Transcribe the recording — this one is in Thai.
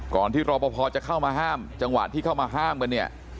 ที่รอปภจะเข้ามาห้ามจังหวะที่เข้ามาห้ามกันเนี่ย